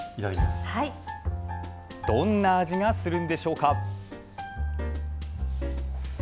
どんな味がするんでしょうか。